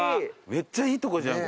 めっちゃいいとこじゃん